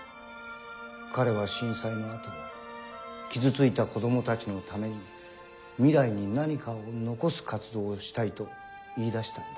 彼は震災のあと傷ついた子供たちのために未来に何かを残す活動をしたいと言いだしたんだ。